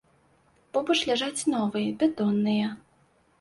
Побач ляжаць новыя бетонныя.